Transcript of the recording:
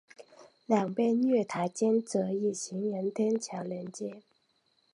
两边月台间则以行人天桥连接。